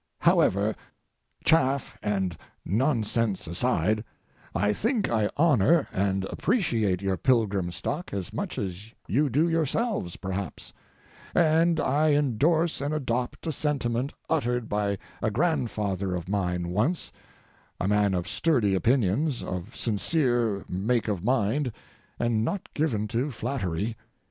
However, chaff and nonsense aside, I think I honor and appreciate your Pilgrim stock as much as you do yourselves, perhaps; and I endorse and adopt a sentiment uttered by a grandfather of mine once—a man of sturdy opinions, of sincere make of mind, and not given to flattery.